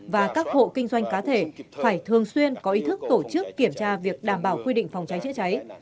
và các hộ kinh doanh cá thể phải thường xuyên có ý thức tổ chức kiểm tra việc đảm bảo quy định phòng cháy chữa cháy